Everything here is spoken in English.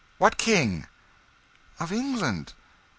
"What King?" "Of England."